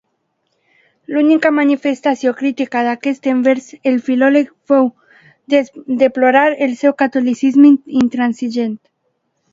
L'única manifestació crítica d'aquest envers el filòleg fou deplorar el seu catolicisme intransigent.